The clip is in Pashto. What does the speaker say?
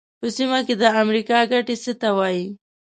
په سیمه کې د امریکا ګټې څه ته وایي.